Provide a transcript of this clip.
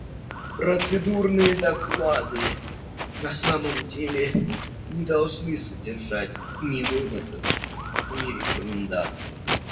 Процедурные доклады, на самом деле, не должны содержать ни выводов, ни рекомендаций.